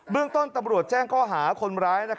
เมื่อต้นตำรวจแจ้งก้อหาคนร้ายนะครับ